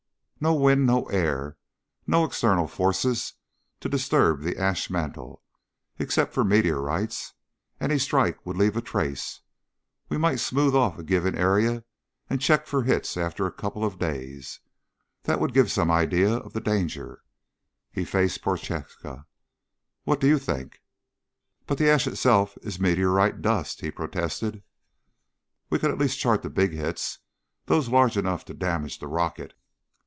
"No wind, no air, no external forces to disturb the ash mantle, except for meteorites. Any strike would leave a trace. We might smooth off a given area and check for hits after a couple of days. That would give some idea of the danger." He faced Prochaska. "What do you think?" "But the ash itself is meteorite dust," he protested. "We could at least chart the big hits those large enough to damage the rocket."